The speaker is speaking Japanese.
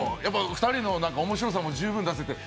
２人の面白さも十分、出せて。